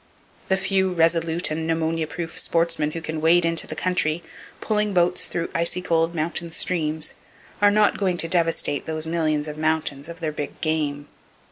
The few resolute and pneumonia proof sportsmen who can wade into the country, pulling boats through icy cold mountain streams, are not going to devastate those millions of mountains of their big game.